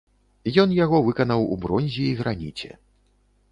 Ён яго выканаў у бронзе і граніце.